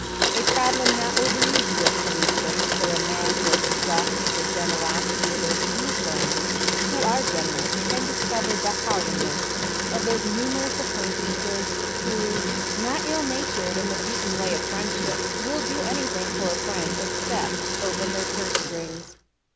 A problem not over easy of solution for a man who has exhausted the generosity of those few ficiends who are generous, and discovered the hoUowness of those numerous acquaintances who, not ill natured in the beaten way of friendship, will do anything for a fiiend except open their purse strings.